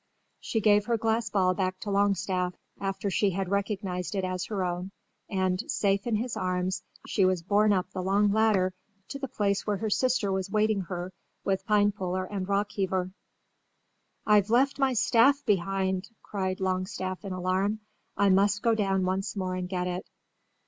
She gave her glass ball back to Longstaff after she had recognized it as her own; and, safe in his arms, she was borne up the long ladder to the place where her sister was awaiting her with Pinepuller and Rockheaver. "I've left my staff behind!" cried Longstaff in alarm. "I must go down once more and get it."